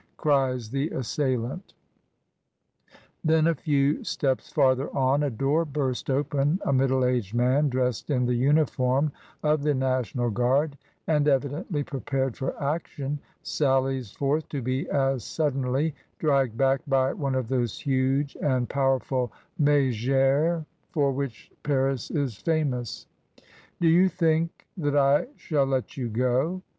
cries the assailant. Then a few steps farther on, a door burst open, a middle aged man, dressed in the uniform of the National Guard and evidently prepared for action, sallies forth to be as suddenly dragged back by one of those huge and powerful miglres for which Paris is famous. "Do you think that I shall let you go?"